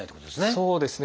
そうですね。